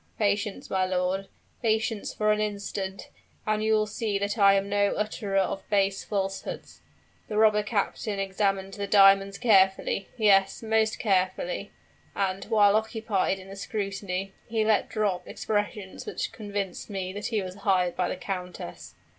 "Patience, my lord patience for an instant and you will see that I am no utterer of base falsehoods. The robber captain examined the diamonds carefully yes, most carefully and, while occupied in the scrutiny, he let drop expressions which convinced me that he was hired by the countess.